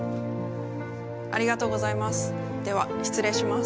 ありがとうございます。